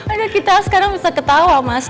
ada kita sekarang bisa ketawa mas